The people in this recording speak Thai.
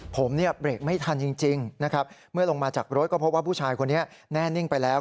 ผมเนี่ยเบรกไม่ทันจริงนะครับเมื่อลงมาจากรถก็พบว่าผู้ชายคนนี้แน่นิ่งไปแล้ว